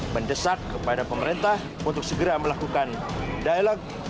mendesak kepada pemerintah untuk segera melakukan dialog